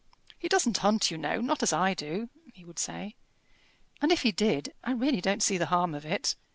"He doesn't hunt, you know not as I do," he would say. "And if he did, I really don't see the harm of it.